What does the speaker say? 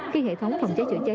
khi hệ thống phòng chế chữa chế